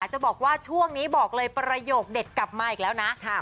จะบอกว่าช่วงนี้บอกเลยประโยคเด็ดกลับมาอีกแล้วนะ